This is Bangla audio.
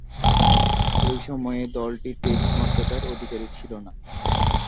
ঐ সময়ে দলটি টেস্ট মর্যাদার অধিকারী ছিল না।